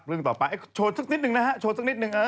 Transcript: ชมต่อไปโชว์สักนิดหนึ่งนะฮะโชว์สักนิดหนึ่ง